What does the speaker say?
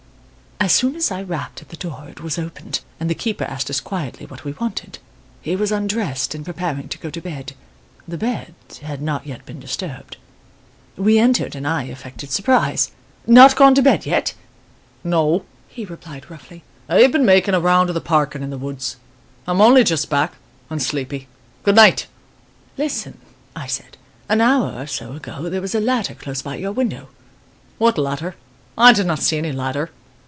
"As soon as I rapped at the door it was opened, and the keeper asked us quietly what we wanted. He was undressed and preparing to go to bed. The bed had not yet been disturbed. "We entered and I affected surprise. "'Not gone to bed yet?' "'No,' he replied roughly. 'I have been making a round of the park and in the woods. I am only just back and sleepy. Good night!' "'Listen,' I said. 'An hour or so ago, there was a ladder close by your window.' "'What ladder? I did not see any ladder.